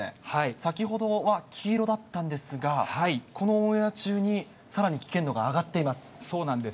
先ほどは黄色だったんですが、このオンエア中にさらに危険度が上がっています。